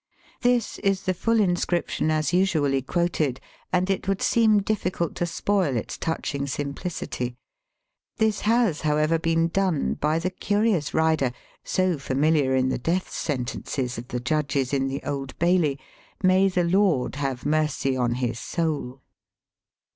This is the full inscription as usually quoted, and it would seem diflScult to spoil its touching simpUcity. This has, however, been done by the curious rider, so familiar in the death sentences of the judges in the Old Bailey, *^May the Lord have mercy on his soul."